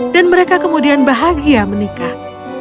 dan mereka kemudian bahagia menikah